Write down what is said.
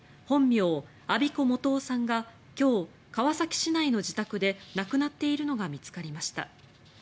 本名・安孫子素雄さんが今日川崎市内の自宅で亡くなっているのが見つかりました。